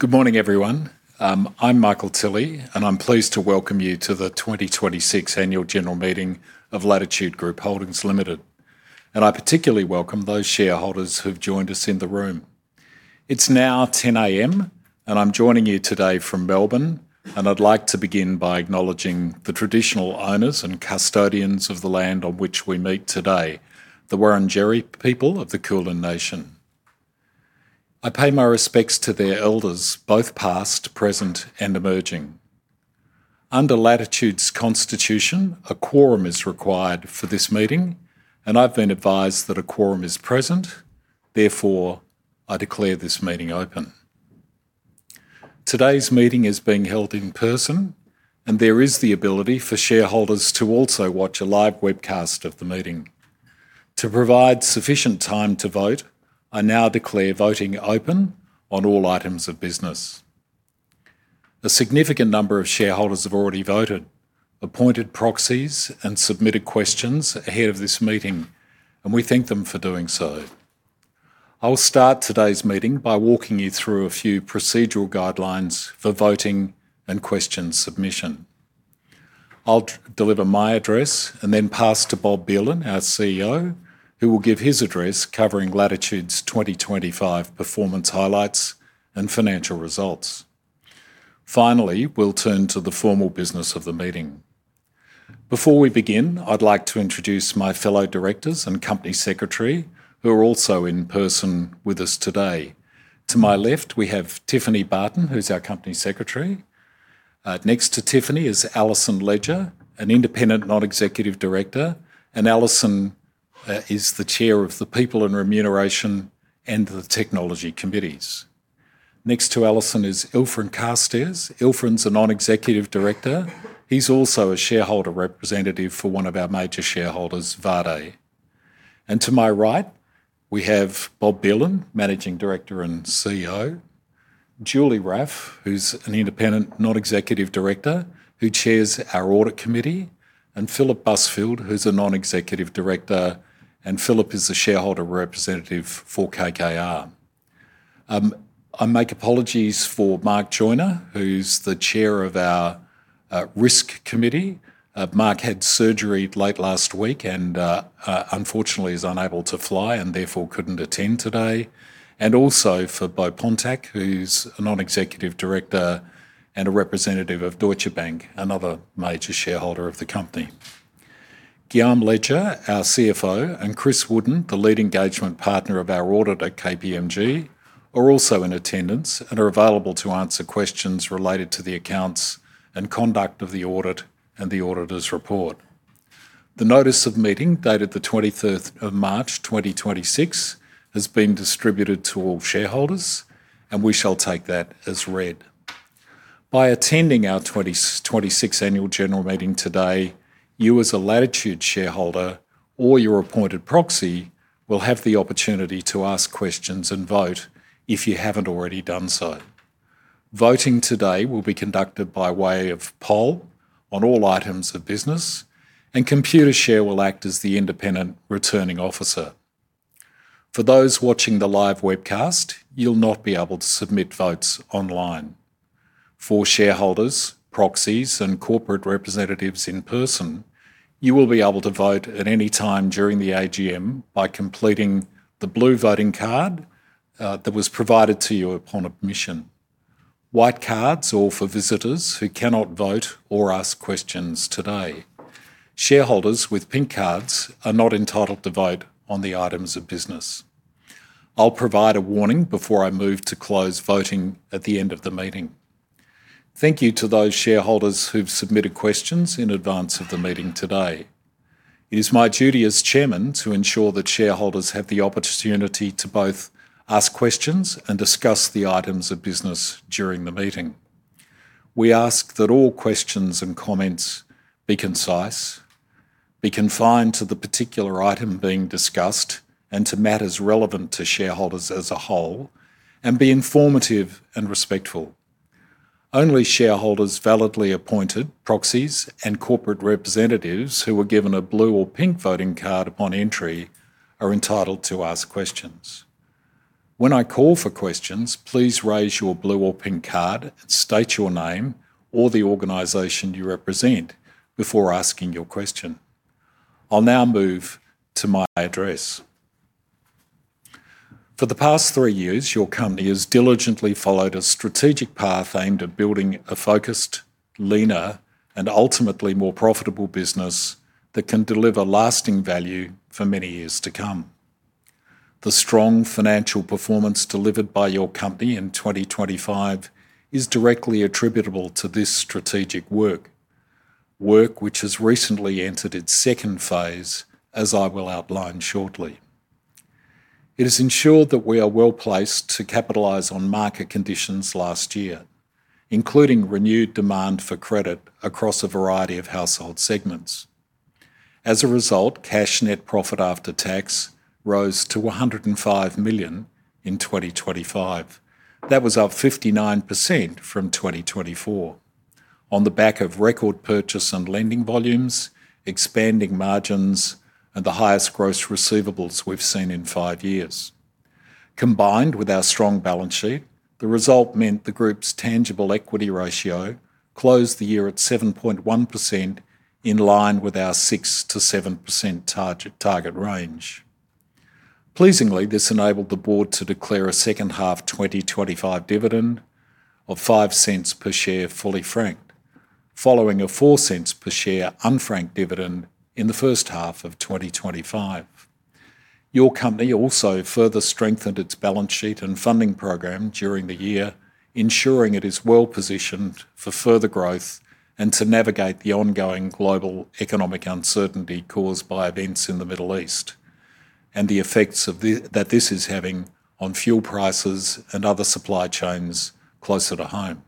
Good morning, everyone. I'm Michael Tilley, and I'm pleased to welcome you to the 2026 Annual General Meeting of Latitude Group Holdings Limited. I particularly welcome those shareholders who've joined us in the room. It's now 10:00 A.M., and I'm joining you today from Melbourne, and I'd like to begin by acknowledging the traditional owners and custodians of the land on which we meet today, the Wurundjeri people of the Kulin nation. I pay my respects to their elders, both past, present, and emerging. Under Latitude's constitution, a quorum is required for this meeting, and I've been advised that a quorum is present, therefore, I declare this meeting open. Today's meeting is being held in person, and there is the ability for shareholders to also watch a live webcast of the meeting. To provide sufficient time to vote, I now declare voting open on all items of business. A significant number of shareholders have already voted, appointed proxies, and submitted questions ahead of this meeting, and we thank them for doing so. I'll start today's meeting by walking you through a few procedural guidelines for voting and question submission. I'll deliver my address and then pass to Bob Belan, our CEO, who will give his address covering Latitude's 2025 performance highlights and financial results. Finally, we'll turn to the formal business of the meeting. Before we begin, I'd like to introduce my fellow Directors and Company Secretary who are also in person with us today. To my left, we have Tiffany Barton, who's our Company Secretary. Next to Tiffany is Alison Ledger, an Independent Non-Executive Director, and Alison is the Chair of the People and Remuneration and the Technology Committees. Next to Alison is Ilfryn Carstairs. Ilfryn's a Non-Executive Director. He's also a shareholder representative for one of our major shareholders, Värde. To my right, we have Bob Belan, Managing Director and CEO. Julie Raffe, who's an Independent Non-Executive Director who chairs our Audit Committee, and Philip Busfield, who's a Non-Executive Director, and Philip is the shareholder representative for KKR. I make apologies for Mark Joiner, who's the Chair of our Risk Committee. Mark had surgery late last week and, unfortunately, is unable to fly and therefore couldn't attend today. Also for Beaux Pontak, who's a Non-Executive Director and a representative of Deutsche Bank, another major shareholder of the company. Guillaume Leger, our CFO, and Chris Wooden, the Lead Engagement Partner of our audit at KPMG, are also in attendance and are available to answer questions related to the accounts and conduct of the audit and the auditor's report. The notice of meeting, dated the 23rd of March 2026, has been distributed to all shareholders and we shall take that as read. By attending our 2026 annual general meeting today, you as a Latitude shareholder or your appointed proxy will have the opportunity to ask questions and vote if you haven't already done so. Voting today will be conducted by way of poll on all items of business, and Computershare will act as the independent returning officer. For those watching the live webcast, you'll not be able to submit votes online. For shareholders, proxies, and corporate representatives in person, you will be able to vote at any time during the AGM by completing the blue voting card that was provided to you upon admission. White cards are for visitors who cannot vote or ask questions today. Shareholders with pink cards are not entitled to vote on the items of business. I'll provide a warning before I move to close voting at the end of the meeting. Thank you to those shareholders who've submitted questions in advance of the meeting today. It is my duty as Chairman to ensure that shareholders have the opportunity to both ask questions and discuss the items of business during the meeting. We ask that all questions and comments be concise, be confined to the particular item being discussed and to matters relevant to shareholders as a whole, and be informative and respectful. Only shareholders validly appointed proxies and corporate representatives who were given a blue or pink voting card upon entry are entitled to ask questions. When I call for questions, please raise your blue or pink card and state your name or the organization you represent before asking your question. I'll now move to my address. For the past three years, your company has diligently followed a strategic path aimed at building a focused, leaner, and ultimately more profitable business that can deliver lasting value for many years to come. The strong financial performance delivered by your company in 2025 is directly attributable to this strategic work. Work which has recently entered its second phase, as I will outline shortly. It has ensured that we are well placed to capitalize on market conditions last year, including renewed demand for credit across a variety of household segments. As a result, cash net profit after tax rose to 105 million in 2025. That was up 59% from 2024. On the back of record purchase and lending volumes, expanding margins, and the highest gross receivables we've seen in five years. Combined with our strong balance sheet, the result meant the group's tangible equity ratio closed the year at 7.1%, in line with our 6%-7% target range. Pleasingly, this enabled the board to declare a second half 2025 dividend of 0.05 per share, fully franked, following a 0.04 per share unfranked dividend in the first half of 2025. Your company also further strengthened its balance sheet and funding program during the year, ensuring it is well-positioned for further growth and to navigate the ongoing global economic uncertainty caused by events in the Middle East, and the effects that this is having on fuel prices and other supply chains closer to home.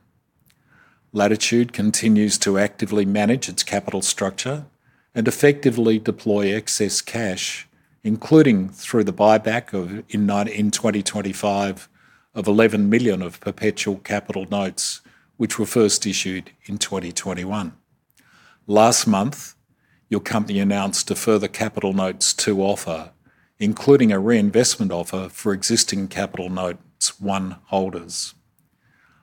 Latitude continues to actively manage its capital structure and effectively deploy excess cash, including through the buyback in 2025 of 11 million of perpetual capital notes, which were first issued in 2021. Last month, your company announced a further Capital Notes 2 offer, including a reinvestment offer for existing Capital Notes 1 holders.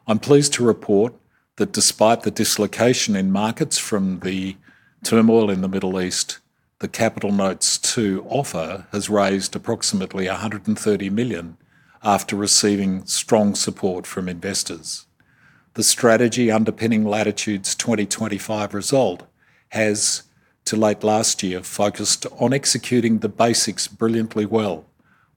I'm pleased to report that despite the dislocation in markets from the turmoil in the Middle East, the Capital Notes 2 offer has raised approximately 130 million after receiving strong support from investors. The strategy underpinning Latitude's 2025 result has, till late last year, focused on executing the basics brilliantly well,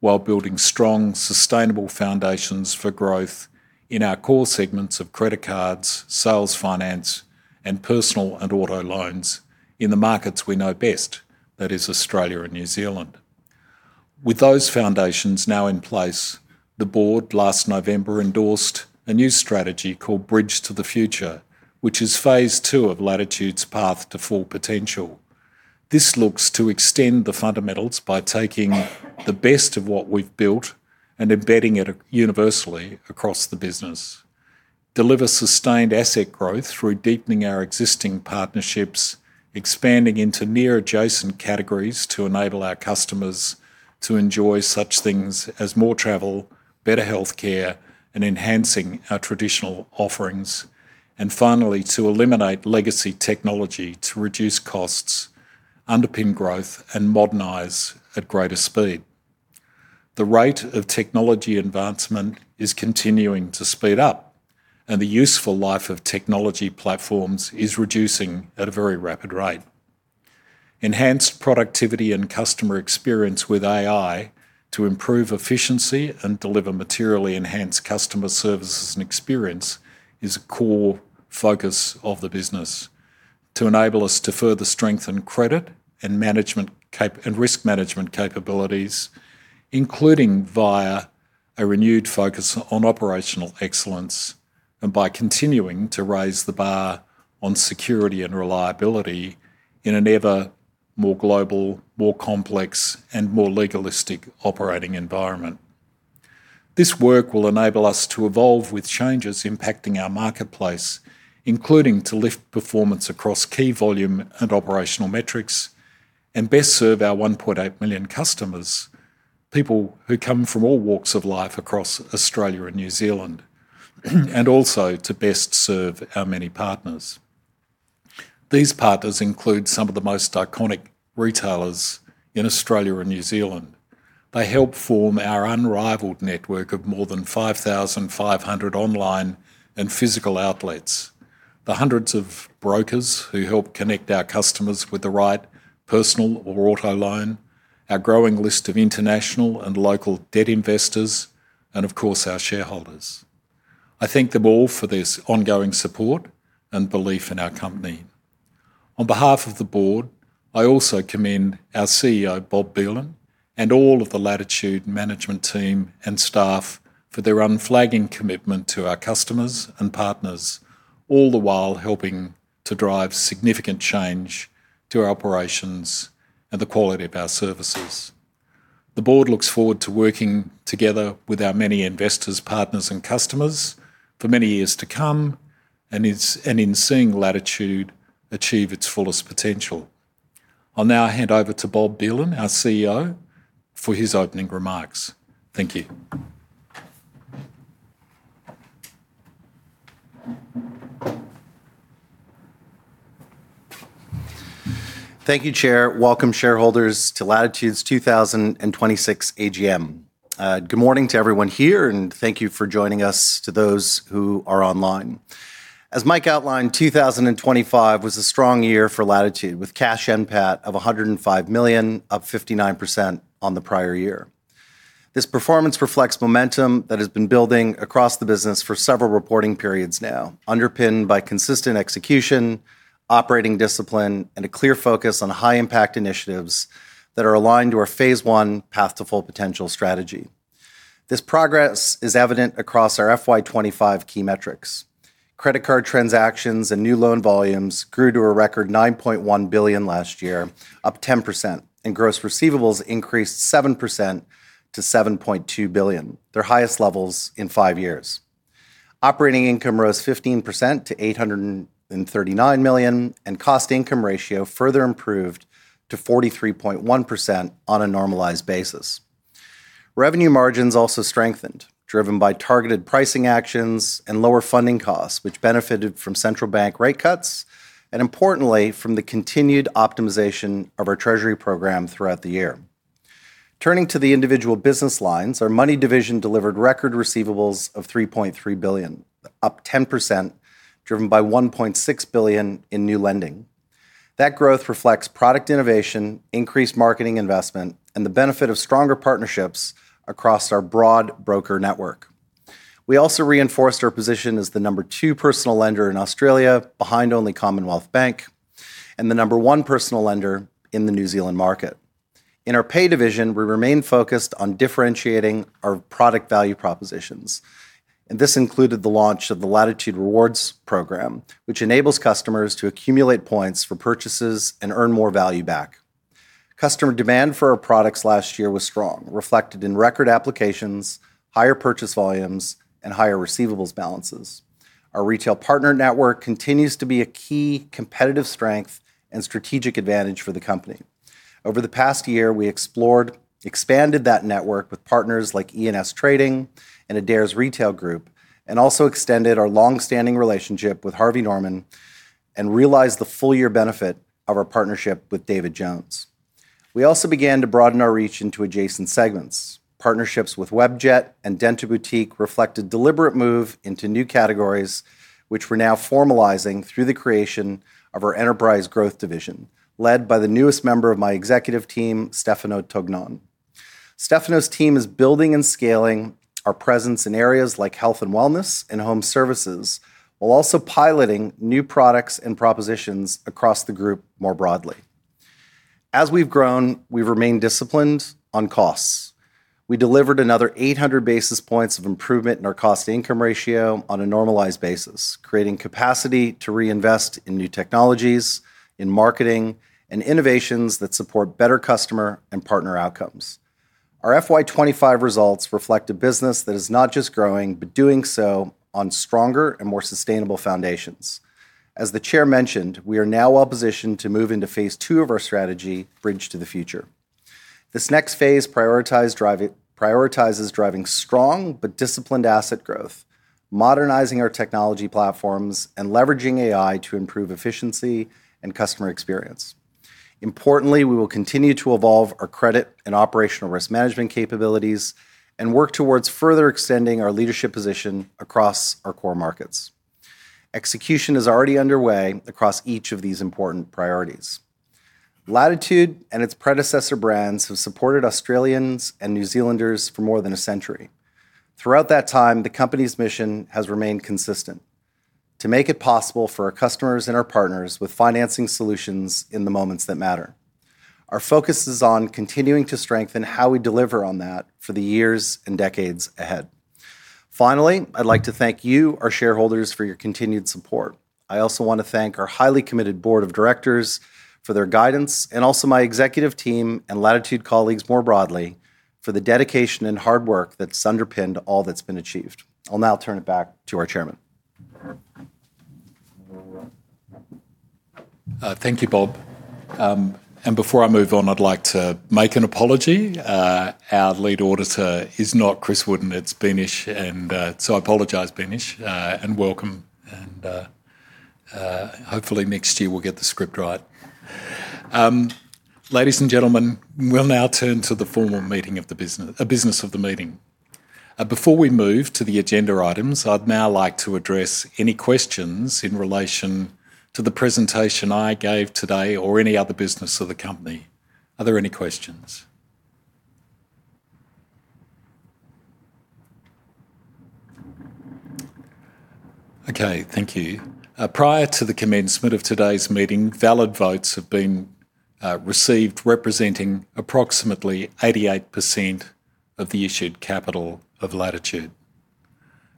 while building strong, sustainable foundations for growth in our core segments of credit cards, sales finance, and personal and auto loans in the markets we know best, that is Australia and New Zealand. With those foundations now in place, the board, last November, endorsed a new strategy called Bridge to the Future, which is phase II of Latitude's Path to Full Potential. This looks to extend the fundamentals by taking the best of what we've built and embedding it universally across the business, deliver sustained asset growth through deepening our existing partnerships, expanding into near adjacent categories to enable our customers to enjoy such things as more travel, better healthcare, and enhancing our traditional offerings. Finally, to eliminate legacy technology to reduce costs, underpin growth, and modernize at greater speed. The rate of technology advancement is continuing to speed up, and the useful life of technology platforms is reducing at a very rapid rate. Enhanced productivity and customer experience with AI to improve efficiency and deliver materially enhanced customer services and experience is a core focus of the business to enable us to further strengthen credit and risk management capabilities, including via a renewed focus on operational excellence, and by continuing to raise the bar on security and reliability in an ever more global, more complex, and more legalistic operating environment. This work will enable us to evolve with changes impacting our marketplace, including to lift performance across key volume and operational metrics, and best serve our 1.8 million customers, people who come from all walks of life across Australia and New Zealand, and also to best serve our many partners. These partners include some of the most iconic retailers in Australia and New Zealand. They help form our unrivaled network of more than 5,500 online and physical outlets. The hundreds of brokers who help connect our customers with the right personal or auto loan, our growing list of international and local debt investors, and of course, our shareholders. I thank them all for their ongoing support and belief in our company. On behalf of the board, I also commend our CEO, Bob Belan, and all of the Latitude management team and staff for their unflagging commitment to our customers and partners, all the while helping to drive significant change to our operations and the quality of our services. The board looks forward to working together with our many investors, partners, and customers for many years to come, and in seeing Latitude achieve its fullest potential. I'll now hand over to Bob Belan, our CEO, for his opening remarks. Thank you. Thank you, Chair. Welcome, shareholders, to Latitude's 2026 AGM. Good morning to everyone here, and thank you for joining us to those who are online. As Mike outlined, 2025 was a strong year for Latitude, with cash NPAT of 105 million, up 59% on the prior year. This performance reflects momentum that has been building across the business for several reporting periods now, underpinned by consistent execution, operating discipline, and a clear focus on high-impact initiatives that are aligned to our phase I Path to Full Potential strategy. This progress is evident across our FY 2025 key metrics. Credit card transactions and new loan volumes grew to a record 9.1 billion last year, up 10%, and gross receivables increased 7% to 7.2 billion, their highest levels in five years. Operating income rose 15% to 839 million, and cost income ratio further improved to 43.1% on a normalized basis. Revenue margins also strengthened, driven by targeted pricing actions and lower funding costs, which benefited from central bank rate cuts, and importantly, from the continued optimization of our treasury program throughout the year. Turning to the individual business lines, our money division delivered record receivables of 3.3 billion, up 10%, driven by 1.6 billion in new lending. That growth reflects product innovation, increased marketing investment, and the benefit of stronger partnerships across our broad broker network. We also reinforced our position as the number two personal lender in Australia, behind only Commonwealth Bank, and the number one personal lender in the New Zealand market. In our pay division, we remain focused on differentiating our product value propositions, and this included the launch of the Latitude Rewards program, which enables customers to accumulate points for purchases and earn more value back. Customer demand for our products last year was strong, reflected in record applications, higher purchase volumes, and higher receivables balances. Our retail partner network continues to be a key competitive strength and strategic advantage for the company. Over the past year, we explored, expanded that network with partners like E&S Trading and Adairs Retail Group, and also extended our longstanding relationship with Harvey Norman and realized the full year benefit of our partnership with David Jones. We also began to broaden our reach into adjacent segments. Partnerships with Webjet and Dental Boutique reflect a deliberate move into new categories, which we're now formalizing through the creation of our Enterprise Growth Division, led by the newest member of my executive team, Stefano Tognon. Stefano's team is building and scaling our presence in areas like health and wellness and home services, while also piloting new products and propositions across the group more broadly. As we've grown, we've remained disciplined on costs. We delivered another 800 basis points of improvement in our cost income ratio on a normalized basis, creating capacity to reinvest in new technologies, in marketing, and innovations that support better customer and partner outcomes. Our FY 2025 results reflect a business that is not just growing, but doing so on stronger and more sustainable foundations. As the Chair mentioned, we are now well positioned to move into phase II of our strategy, Bridge to the Future. This next phase prioritizes driving strong but disciplined asset growth, modernizing our technology platforms, and leveraging AI to improve efficiency and customer experience. Importantly, we will continue to evolve our credit and operational risk management capabilities and work towards further extending our leadership position across our core markets. Execution is already underway across each of these important priorities. Latitude and its predecessor brands have supported Australians and New Zealanders for more than a century. Throughout that time, the company's mission has remained consistent: to make it possible for our customers and our partners with financing solutions in the moments that matter. Our focus is on continuing to strengthen how we deliver on that for the years and decades ahead. Finally, I'd like to thank you, our shareholders, for your continued support. I also want to thank our highly committed Board of Directors for their guidance, and also my executive team and Latitude colleagues more broadly for the dedication and hard work that's underpinned all that's been achieved. I'll now turn it back to our Chairman. Thank you, Bob. Before I move on, I'd like to make an apology. Our Lead Auditor is not Chris Wooden, it's Beenish. I apologize, Beenish, and welcome. Hopefully next year we'll get the script right. Ladies and gentlemen, we'll now turn to the business of the meeting. Before we move to the agenda items, I'd now like to address any questions in relation to the presentation I gave today or any other business of the company. Are there any questions? Okay, thank you. Prior to the commencement of today's meeting, valid votes have been received representing approximately 88% of the issued capital of Latitude.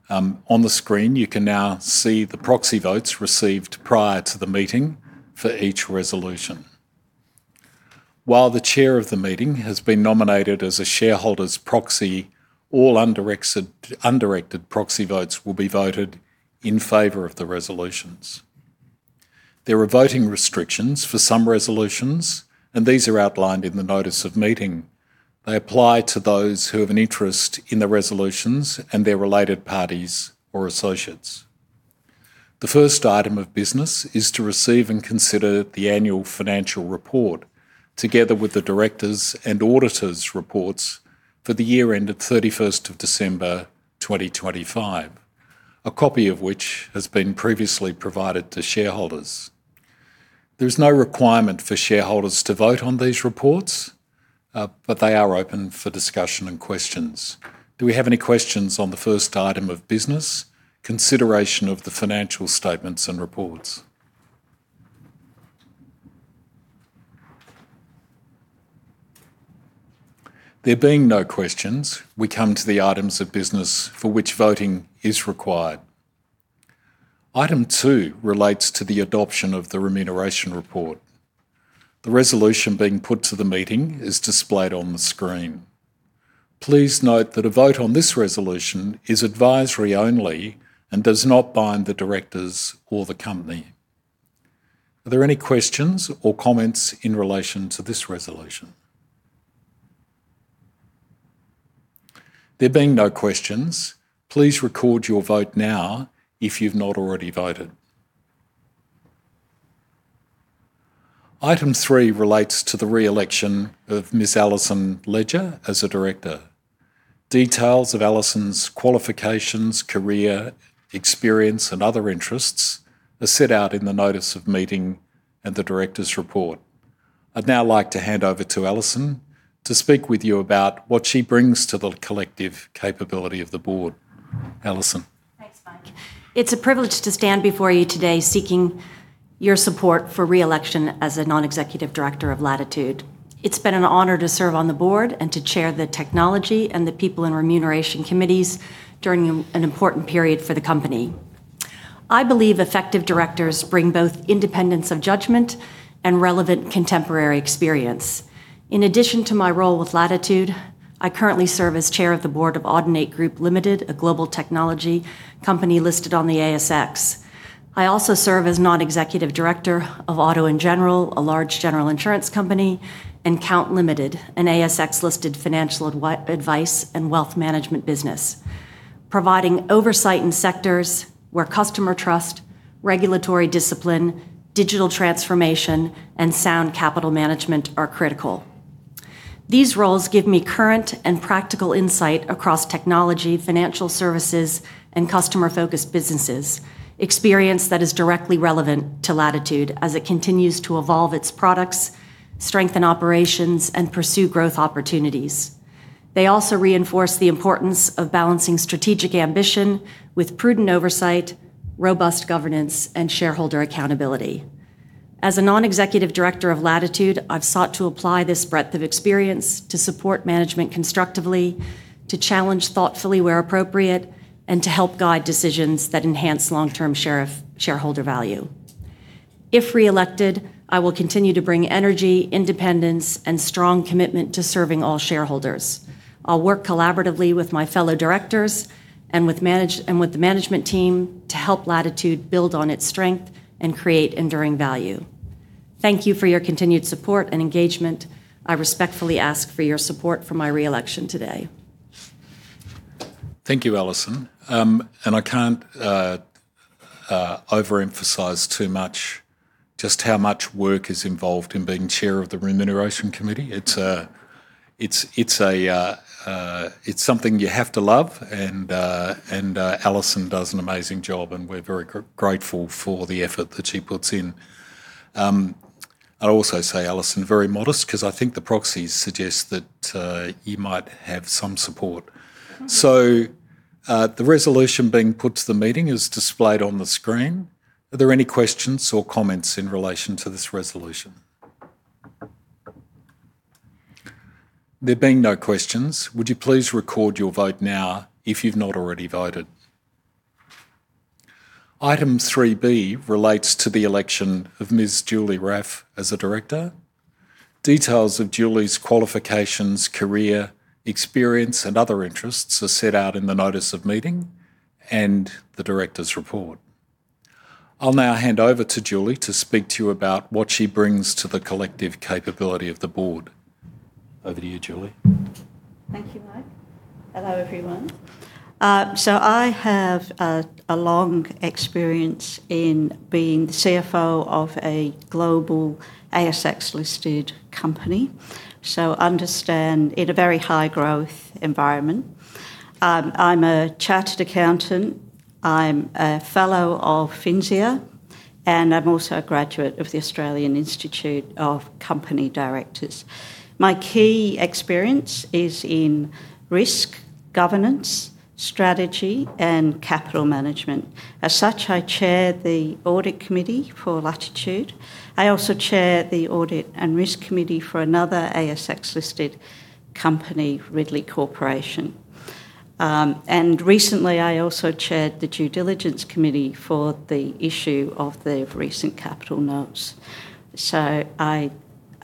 On the screen, you can now see the proxy votes received prior to the meeting for each resolution. While the Chair of the meeting has been nominated as a shareholder's proxy, all undirected proxy votes will be voted in favor of the resolutions. There are voting restrictions for some resolutions, and these are outlined in the notice of meeting. They apply to those who have an interest in the resolutions and their related parties or associates. The first item of business is to receive and consider the annual financial report, together with the Directors' and Auditors' reports for the year ended 31st of December 2025. A copy of which has been previously provided to shareholders. There is no requirement for shareholders to vote on these reports, but they are open for discussion and questions. Do we have any questions on the first item of business, consideration of the financial statements and reports? There being no questions, we come to the items of business for which voting is required. Item two relates to the adoption of the remuneration report. The resolution being put to the meeting is displayed on the screen. Please note that a vote on this resolution is advisory only and does not bind the directors or the company. Are there any questions or comments in relation to this resolution? There being no questions, please record your vote now if you've not already voted. Item three relates to the re-election of Ms. Alison Ledger as a Director. Details of Alison's qualifications, career, experience, and other interests are set out in the notice of meeting and the directors' report. I'd now like to hand over to Alison to speak with you about what she brings to the collective capability of the board. Alison. Thanks, Mike. It's a privilege to stand before you today seeking your support for re-election as a Non-Executive Director of Latitude. It's been an honor to serve on the Board and to Chair the Technology and the People and Remuneration Committees during an important period for the company. I believe effective directors bring both independence of judgment and relevant contemporary experience. In addition to my role with Latitude, I currently serve as Chair of the Board of Audinate Group Limited, a global technology company listed on the ASX. I also serve as Non-Executive Director of Auto & General, a large general insurance company, and Count Limited, an ASX listed financial advice and wealth management business, providing oversight in sectors where customer trust, regulatory discipline, digital transformation, and sound capital management are critical. These roles give me current and practical insight across technology, financial services, and customer-focused businesses. Experience that is directly relevant to Latitude as it continues to evolve its products, strengthen operations, and pursue growth opportunities. They also reinforce the importance of balancing strategic ambition with prudent oversight, robust governance, and shareholder accountability. As a Non-Executive Director of Latitude, I've sought to apply this breadth of experience to support management constructively, to challenge thoughtfully where appropriate, and to help guide decisions that enhance long-term shareholder value. If re-elected, I will continue to bring energy, independence, and strong commitment to serving all shareholders. I'll work collaboratively with my fellow directors, and with the management team to help Latitude build on its strength and create enduring value. Thank you for your continued support and engagement. I respectfully ask for your support for my re-election today. Thank you, Alison. I can't overemphasize too much just how much work is involved in being Chair of the Remuneration Committee. It's something you have to love and Alison does an amazing job and we're very grateful for the effort that she puts in. I'd also say Alison, very modest, because I think the proxies suggest that you might have some support. The resolution being put to the meeting is displayed on the screen. Are there any questions or comments in relation to this resolution? There being no questions, would you please record your vote now if you've not already voted. Item 3B relates to the election of Ms. Julie Raffe as a Director. Details of Julie's qualifications, career, experience, and other interests are set out in the notice of meeting and the directors' report. I'll now hand over to Julie to speak to you about what she brings to the collective capability of the board. Over to you, Julie. Thank you, Mike. Hello, everyone. I have a long experience in being the CFO of a global ASX-listed company, in a very high growth environment. I'm a Chartered Accountant, I'm a Fellow of FINSIA, and I'm also a graduate of the Australian Institute of Company Directors. My key experience is in risk, governance, strategy, and capital management. As such, I chair the Audit Committee for Latitude. I also chair the Audit and Risk Committee for another ASX-listed company, Ridley Corporation. Recently, I also chaired the Due Diligence Committee for the issue of the recent capital notes.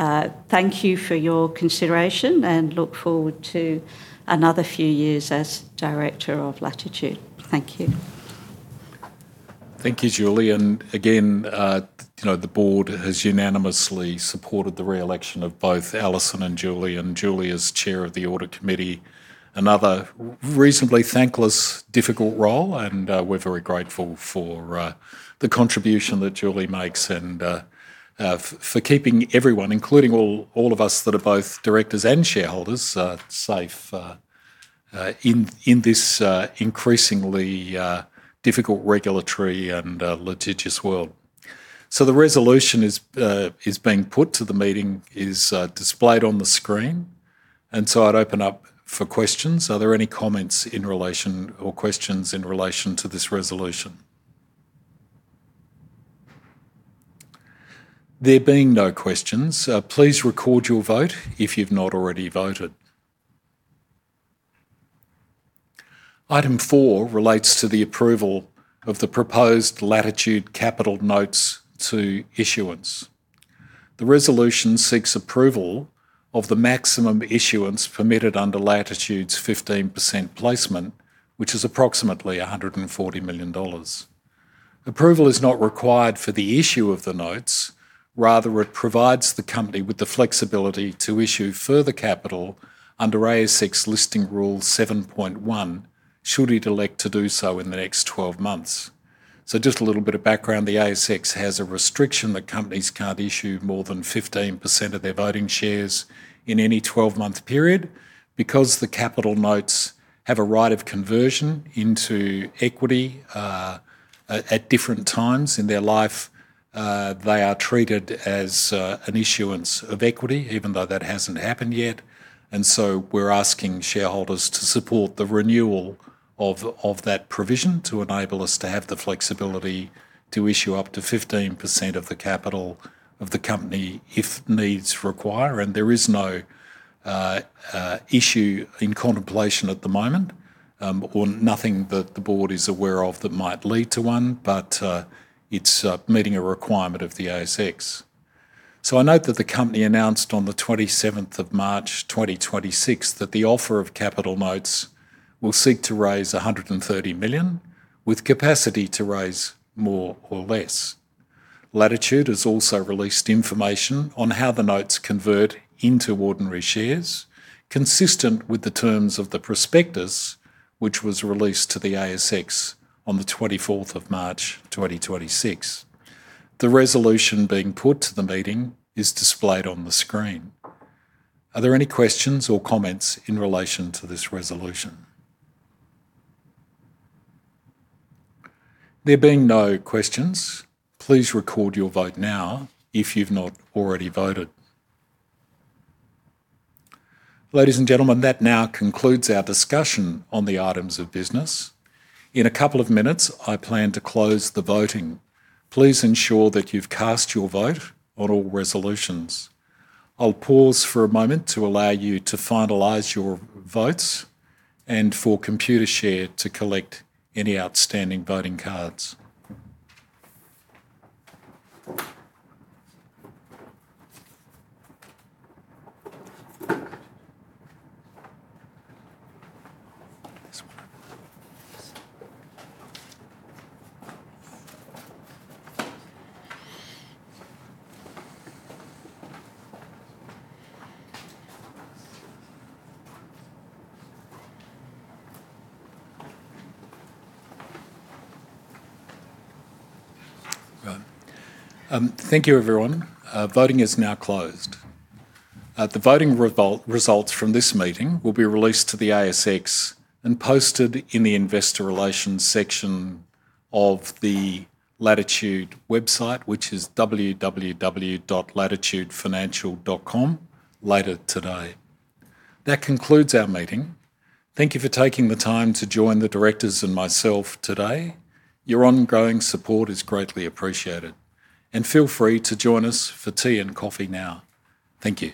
I thank you for your consideration and look forward to another few years as Director of Latitude. Thank you. Thank you, Julie. Again, the board has unanimously supported the re-election of both Alison and Julie. Julie as Chair of the Audit Committee, another reasonably thankless, difficult role and we're very grateful for the contribution that Julie makes and for keeping everyone, including all of us that are both directors and shareholders, safe in this increasingly difficult regulatory and litigious world. The resolution is being put to the meeting is displayed on the screen, I'd open up for questions. Are there any comments or questions in relation to this resolution? There being no questions, please record your vote if you've not already voted. Item four relates to the approval of the proposed Latitude Capital Notes issuance. The resolution seeks approval of the maximum issuance permitted under Latitude's 15% placement, which is approximately 140 million dollars. Approval is not required for the issue of the notes. Rather, it provides the company with the flexibility to issue further capital under ASX Listing Rule 7.1, should it elect to do so in the next 12 months. Just a little bit of background. The ASX has a restriction that companies can't issue more than 15% of their voting shares in any 12-month period. Because the capital notes have a right of conversion into equity, at different times in their life, they are treated as an issuance of equity, even though that hasn't happened yet. We're asking shareholders to support the renewal of that provision to enable us to have the flexibility to issue up to 15% of the capital of the company if needs require. There is no issue in contemplation at the moment, or nothing that the board is aware of that might lead to one. It's meeting a requirement of the ASX. I note that the company announced on the 27th of March, 2026, that the offer of capital notes will seek to raise 130 million, with capacity to raise more or less. Latitude has also released information on how the notes convert into ordinary shares, consistent with the terms of the prospectus, which was released to the ASX on the 24th of March, 2026. The resolution being put to the meeting is displayed on the screen. Are there any questions or comments in relation to this resolution? There being no questions, please record your vote now if you've not already voted. Ladies and gentlemen, that now concludes our discussion on the items of business. In a couple of minutes, I plan to close the voting. Please ensure that you've cast your vote on all resolutions. I'll pause for a moment to allow you to finalize your votes and for Computershare to collect any outstanding voting cards. Right. Thank you, everyone. Voting is now closed. The voting results from this meeting will be released to the ASX and posted in the investor relations section of the Latitude website, which is www.latitudefinancial.com, later today. That concludes our meeting. Thank you for taking the time to join the directors and myself today. Your ongoing support is greatly appreciated, and feel free to join us for tea and coffee now. Thank you.